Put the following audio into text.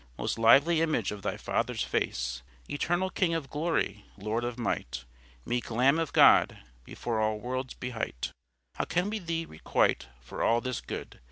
Most lively image of thy Father's face, Eternal King of Glorie, Lord of Might, Meeke Lambe of God, before all worlds behight, How can we Thee requite for all this good?